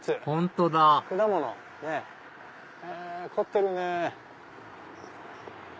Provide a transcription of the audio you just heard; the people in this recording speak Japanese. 本当だ凝ってるね。